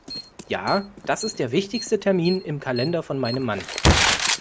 Ja, das ist der wichtigste Termin im Kalender von meinem Mann.